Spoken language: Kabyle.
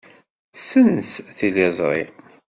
Ssens tiliẓri.